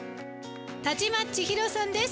田島ちひろさんです。